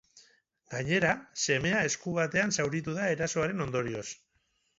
Gainera, semea esku batean zauritu da erasoaren ondorioz.